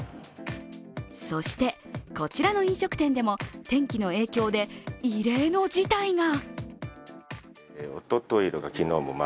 そして、こちらの飲食店でも天気の影響で異例の事態が。